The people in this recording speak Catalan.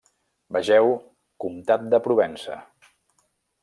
Vegeu comtat de Provença.